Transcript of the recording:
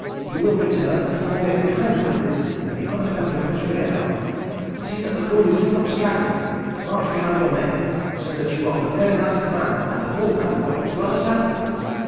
You will return and fall in behind the coolies with the other hundred as rear guard. See that the coolies do not straggle. March behind your men—so that you are the very last man of the whole convoy. D'you understand?"